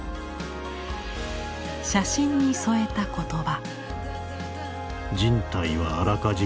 写真に添えた言葉。